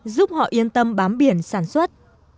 giúp họ yên tâm bám biển sản xuất